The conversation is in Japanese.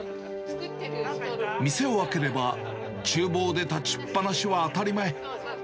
店を開ければ、ちゅう房で立ちっぱなしは当たり前。